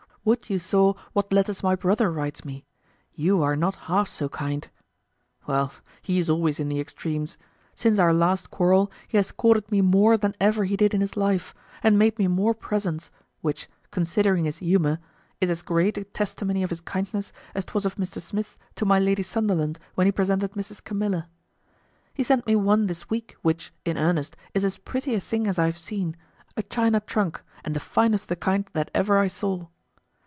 Would you saw what letters my brother writes me; you are not half so kind. Well, he is always in the extremes; since our last quarrel he has courted me more than ever he did in his life, and made me more presents, which, considering his humour, is as great a testimony of his kindness as 'twas of Mr. Smith's to my Lady Sunderland when he presented Mrs. Camilla. He sent me one this week which, in earnest, is as pretty a thing as I have seen, a China trunk, and the finest of the kind that e'er I saw.